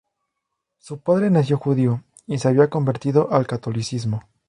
Su padre nació judío, y se había convertido al catolicismo.